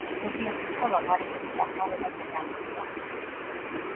ზოგიერთი სკოლა ღარიბების დახმარებას ეთანხმება.